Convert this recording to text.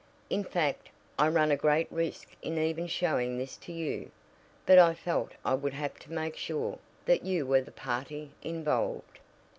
"In fact, I run a great risk in even showing this to you. But I felt I would have to make sure that you were the party involved."